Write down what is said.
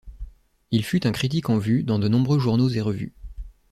Il fut un critique en vue dans de nombreux journaux et revues.